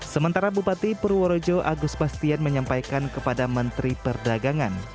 sementara bupati purworejo agus bastian menyampaikan kepada menteri perdagangan